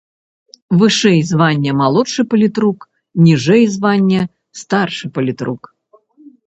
Вышэй звання малодшы палітрук, ніжэй звання старшы палітрук.